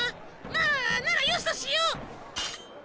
まあならよしとしよう。